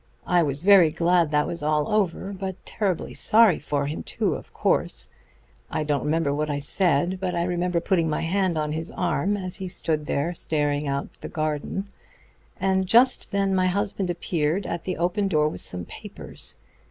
I was very glad that was all over, but terribly sorry for him too, of course. I don't remember what I said, but I remember putting my hand on his arm as he stood there staring out on the garden; and just then my husband appeared at the open door with some papers.